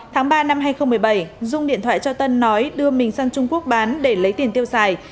tháng ba năm hai nghìn một mươi bảy dung điện thoại cho tân nói đưa mình sang trung quốc bán để lấy tiền tiêu xài